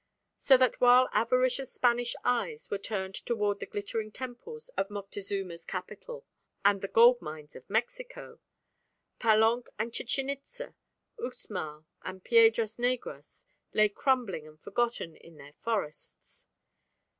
So that while avaricious Spanish eyes were turned towards the glittering temples of Moctezuma's capital and the goldmines of Mexico, Palenque and Chichen Itza, Uxmal and Piedras Negras lay crumbling and forgotten in their forests.